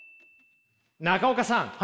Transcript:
中岡さん